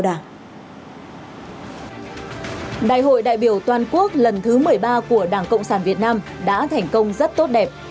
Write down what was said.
đại hội đại biểu toàn quốc lần thứ một mươi ba của đảng cộng sản việt nam đã thành công rất tốt đẹp